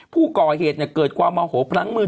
ผู้ก่อเหตุเกิดความโมโหพลั้งมือ